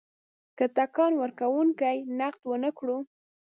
که ټکان ورکونکی نقد ونه کړو.